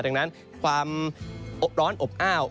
ดังนั้นความร้อนอบอ้าว